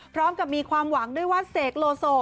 พร้อมกับมีความหวังด้วยว่าเสกโลโซ